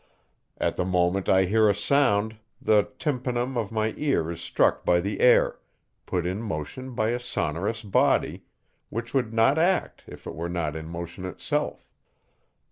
At the moment I hear a sound, the tympanum of my ear is struck by the air, put in motion by a sonorous body, which would not act if it were not in motion itself.